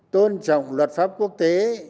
tôn trọng luật pháp quốc tế